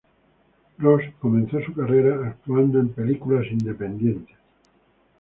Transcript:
Ross comenzó su carrera actuando en películas independientes.